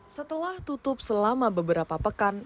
setelah tutup selama beberapa pekan